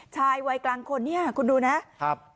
ชายวัยกลางคนคุณดูนะ